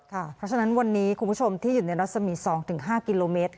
เพราะฉะนั้นวันนี้คุณผู้ชมที่อยู่ในรัศมี๒๕กิโลเมตร